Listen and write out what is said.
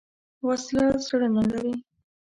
وسله زړه نه لري